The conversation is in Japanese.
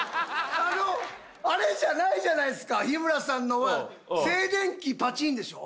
あのあれじゃないじゃないっすか日村さんのは静電気パチンでしょう？